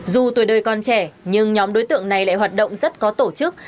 dù tuổi đời còn trẻ nhưng nhóm đối tượng này lại hoạt động rất có tổ chức